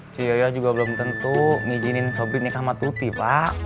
coy juga belum tentu nginjinin asobrat nikah sama tuti pak